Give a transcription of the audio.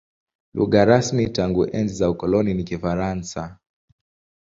Lugha rasmi tangu enzi za ukoloni ni Kifaransa.